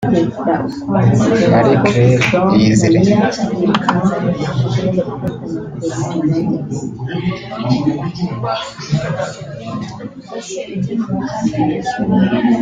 Marie Claire Iyizire